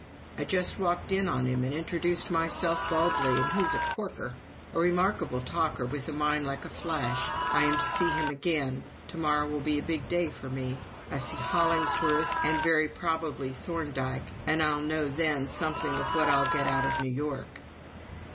"I just walked in on him and introduced myself baldly, and he is a corker. A remarkable talker, with a mind like a flash. I am to see him again. To morrow will be a big day for me I'll see Hollingworth, and very probably Thorndike, and I'll know then something of what I'll get out of New York."